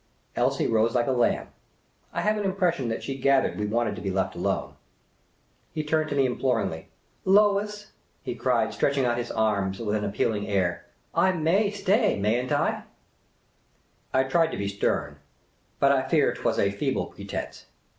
Elsie rose like a lamb. I have an impression that she gathered we wanted to be left alone. He turned to me imploringly. " Lois," he cried, stretch ing out his arms, with an appealing air, " I may stay, may n't I ?" 128 Miss Cayley's Adventures I tried to be stern ; but I fear 't was a feeble pretence.